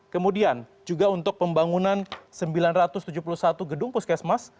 kemudian juga untuk pembangunan sembilan ratus tujuh puluh satu gedung puskesmas